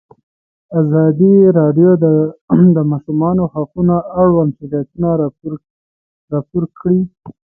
ازادي راډیو د د ماشومانو حقونه اړوند شکایتونه راپور کړي.